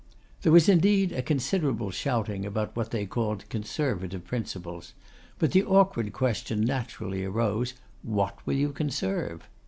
There was indeed a considerable shouting about what they called Conservative principles; but the awkward question naturally arose, what will you conserve?